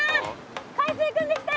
海水くんできたよ。